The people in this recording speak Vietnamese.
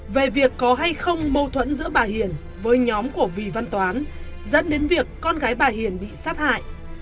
về việc có hay không mâu thuẫn giữa bà hiền với nhóm của vì văn toán dẫn đến việc con gái bà hiền bị sát hại